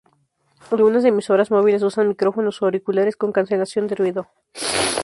Algunas emisoras móviles usan micrófonos o auriculares con cancelación de ruido.